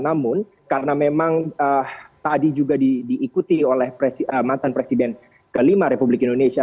namun karena memang tadi juga diikuti oleh mantan presiden kelima republik indonesia